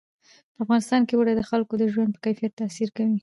په افغانستان کې اوړي د خلکو د ژوند په کیفیت تاثیر کوي.